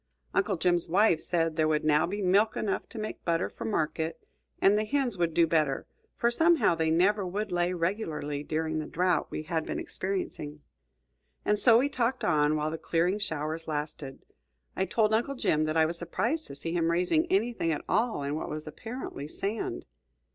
Uncle Jim's wife said there would now be milk enough to make butter for market; and the hens would do better, for somehow they never would lay regularly during the drought we had been experiencing. And so we talked on while the "clearing showers" lasted. I told Uncle Jim that I was surprised to see him raising anything at all in what was apparently sand.